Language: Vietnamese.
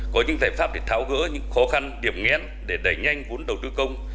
có những giải pháp để tháo gỡ những khó khăn điểm nghẽn để đẩy nhanh vốn đầu tư công